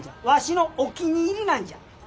わしのお気に入りなんじゃ。